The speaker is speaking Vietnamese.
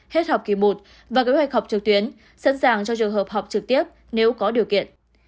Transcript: hết học kỳ một và kế hoạch học trực tuyến sẵn sàng cho trường hợp học trực tiếp nếu có điều kiện